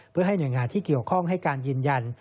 เพื่อให้หน่วยงานที่เกี่ยวข้องให้การยืนยัน